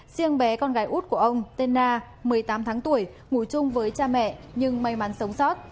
riêng bé con gái út của ông tên na một mươi tám tháng tuổi ngủ chung với cha mẹ nhưng may mắn sống sót